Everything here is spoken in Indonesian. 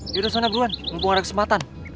yaudah semana buruan mumpung ada kesempatan